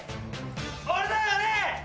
俺だよ俺！